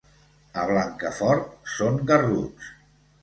A Blancafort són garruts.